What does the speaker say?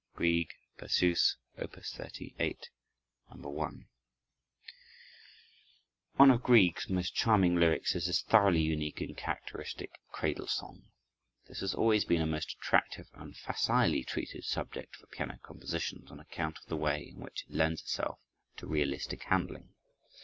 Grieg: Berceuse, Op. 38, No. 1 One of Grieg's most charming lyrics is this thoroughly unique and characteristic Cradle Song. This has always been a most attractive and facilely treated subject for piano compositions, on account of the way in which it lends itself to realistic handling.